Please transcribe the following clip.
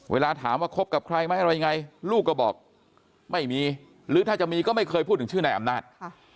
เวลาถามว่าคบกับใครไหมอะไรยังไงลูกก็บอกไม่มีหรือถ้าจะมีก็ไม่เคยพูดถึงชื่อนายอำนาจ